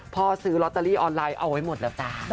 ซื้อลอตเตอรี่ออนไลน์เอาไว้หมดแล้วจ้า